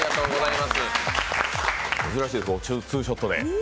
珍しいツーショットで。